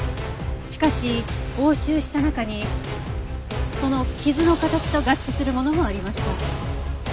しかし押収した中にその傷の形と合致するものもありました。